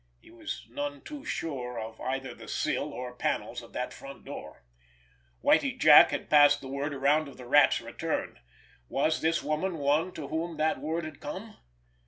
He was none too sure of either the sill or panels of that front door! Whitie Jack had passed the word around of the Rat's return—was this woman one to whom that word had come?